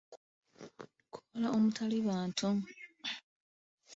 Lukoola omutali bantu.